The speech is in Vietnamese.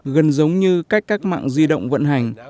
gần giống như cách các mạng di động vận hành